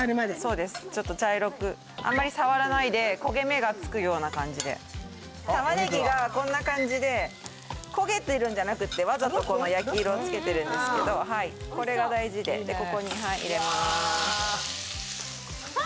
そうですちょっと茶色くあんまり触らないで焦げ目がつくような感じで玉ねぎがこんな感じで焦げてるんじゃなくってわざと焼き色をつけてるんですけどこれが大事でここに入れまーすわ